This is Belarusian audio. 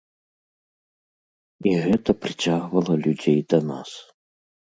І гэта прыцягвала людзей да нас.